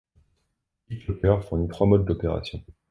BitLocker fournit trois modes d'opération.